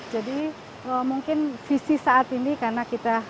jadi mungkin visi saat ini karena kita saham